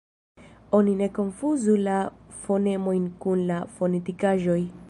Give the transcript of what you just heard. Oni ne konfuzu la fonemojn kun la fonetikaĵoj.